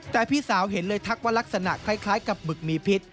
แต่พี่สาวเห็นเลยทักว่ารักษณะคล้ายกับหมึกมีพิษ